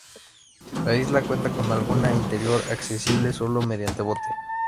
La isla cuenta con una laguna interior accesible solo mediante bote.